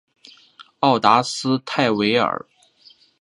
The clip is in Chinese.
奥达斯泰韦尔。